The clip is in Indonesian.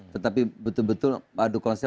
tetapi betul betul adu konsep